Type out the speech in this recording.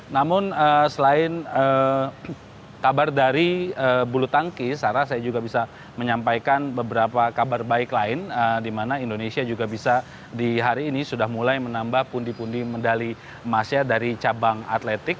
namun selain kabar dari bulu tangkis sarah saya juga bisa menyampaikan beberapa kabar baik lain di mana indonesia juga bisa di hari ini sudah mulai menambah pundi pundi medali emasnya dari cabang atletik